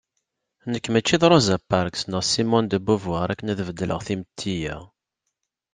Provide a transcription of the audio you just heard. Nekk mačči d Rosa Parks neɣ Simone de Beauvoir akken ad beddleɣ timetti-ya.